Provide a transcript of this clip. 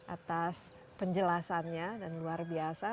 atas penjelasannya dan luar biasa